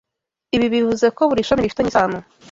Ibi bivuze ko buri shami rifitanye isano